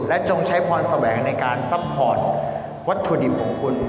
จงใช้พรแสวงในการซัพพอร์ตวัตถุดิบของคุณ